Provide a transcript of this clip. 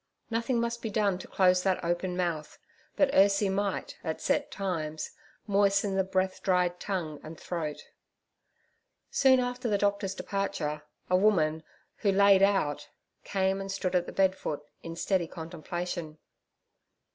Nothing must be done to close that open mouth, but Ursie might, at set times, moisten the breath dried tongue and throat. Soon after the doctor's departure a woman who 'laid out' came and stood at the bedfoot in steady contemplation.